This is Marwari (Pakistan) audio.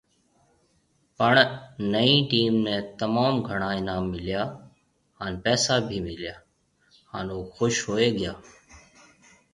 پڻ نئين ٽيم ني تموم گھڻا انعام مليا هان پئسا بِي مليا هان او خوش هوئي گيا